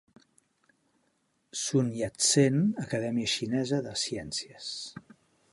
Sun Yat-Sen, Acadèmia Xinesa de Ciències.